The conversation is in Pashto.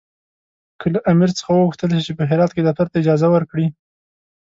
که له امیر څخه وغوښتل شي چې په هرات کې دفتر ته اجازه ورکړي.